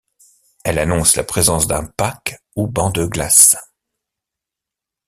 Elle annonce la présence d’un pack ou banc de glace.